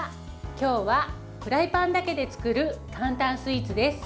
今日はフライパンだけで作る簡単スイーツです。